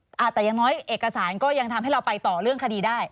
แต่อย่างน้อยเอกสารก็ยังทำให้เราไปต่อเรื่องคดีได้